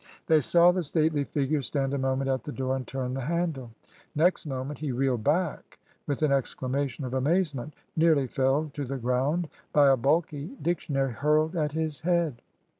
They saw the stately figure stand a moment at the door and turn the handle. Next moment he reeled back with an exclamation of amazement, nearly felled to the ground by a bulky dictionary hurled at his head!